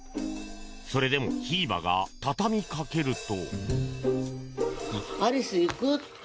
それでも、ひーばが畳みかけると。